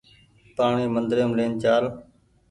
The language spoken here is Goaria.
پآڻيٚ مندريم لين چآل